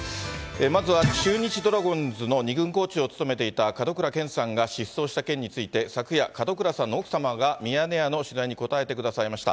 まずは中日ドラゴンズの２軍コーチを務めていた門倉健さんが失踪した件について、昨夜、門倉さんの奥様が、ミヤネ屋の取材に答えてくださいました。